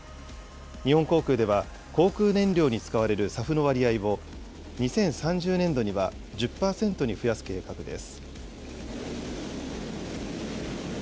日本航空では、航空燃料に使われるＳＡＦの割合を、２０３０年度には１０％に増やす計画です。